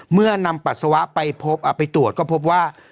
เมื่อนำปัสสาวะไปพบไปตรวจก็พบว่า